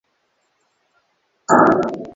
Lakini Brig Ekenge amesema katika taarifa kwamba